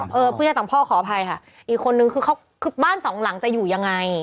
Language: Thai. คุณพูดแม่ต่างข้ออภัยค่ะอีกคนนึงคือเขาคือบ้านส่องหลังจะอยู่ยังไง